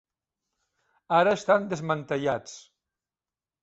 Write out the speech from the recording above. Ara estan desmantellats.